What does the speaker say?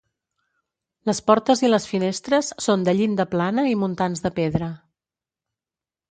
Les portes i les finestres són de llinda plana i muntants de pedra.